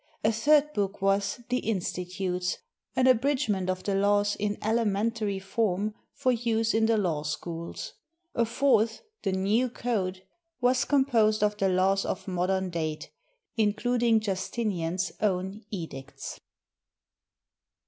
A third book was "The Insti tutes," an abridgment of the laws in elementary form for use in the law schools. A fourth, "The New Code," was composed of the laws of modern date, including Justinian's own edicts.